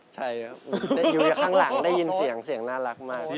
ใช่ครับอยู่ก็คลั่งหลังได้ยินเสียงสิ่งน่ารักมาก